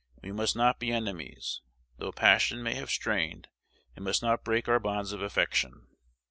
We must not be enemies. Though passion may have strained, it must not break our bonds of affection.